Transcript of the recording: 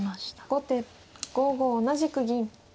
後手５五同じく銀。